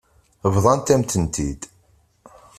Bḍant-am-ten-id.